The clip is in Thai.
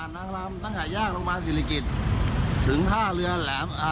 นางลำตั้งแต่ย่างโรงพยาบาลศิริกิจถึงท่าเรือแหลม